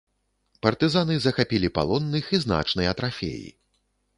Партызаны захапілі палонных і значныя трафеі.